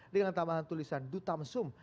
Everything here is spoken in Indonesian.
dengan tambahan tulisan dutamsum